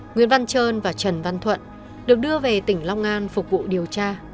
nguyễn văn trơn và trần văn thuận được đưa về tỉnh long an phục vụ điều tra